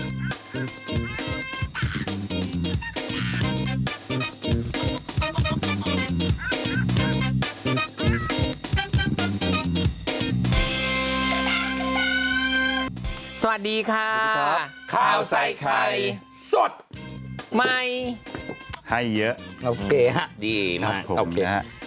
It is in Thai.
สวัสดีค่ะสวัสดีครับข้าวใส่ไข่สดใหม่ให้เยอะโอเคฮะดีครับผมโอเคฮะ